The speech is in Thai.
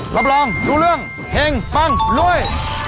รับรองรู้เรื่องเฮงปังรวย